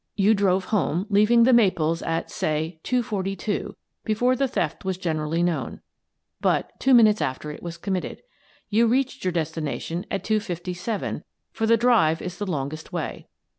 You drove home, leaving 'The Maples' at, say, two forty two, before the theft was generally known, but two minutes after it was committed. You reached your destination at two fifty seven, for the drive is the longest way.